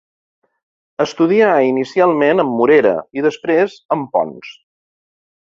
Estudià inicialment amb Morera i després amb Pons.